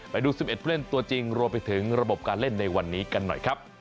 ไปดู๑๑ผู้เล่นตัวจริงรวมไปถึงระบบการเล่นในวันนี้กันหน่อยครับ